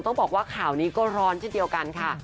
ต้องบอกว่าข่าวนี้ก็ร้อนเช่นเดียวกันค่ะ